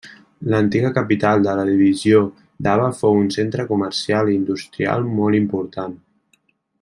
L'antiga capital de la Divisió d'Aba fou un centre comercial i industrial molt important.